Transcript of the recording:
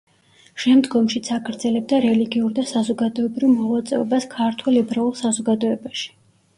შემდგომშიც აგრძელებდა რელიგიურ და საზოგადოებრივ მოღვაწეობას ქართველ ებრაულ საზოგადოებაში.